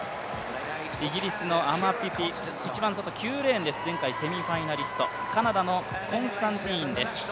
イギリスのアマ・ピピ、９レーンです前回セミファイナリスト、カナダのコンスタンティーンです。